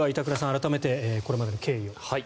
改めてこれまでの経緯を。